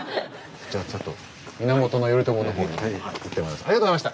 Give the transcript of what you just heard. じゃあちょっと源頼朝の方に行ってまいります。